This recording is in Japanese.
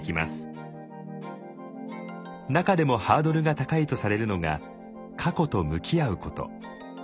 中でもハードルが高いとされるのが過去と向き合うこと。